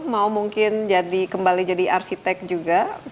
mau mungkin kembali jadi arsitek juga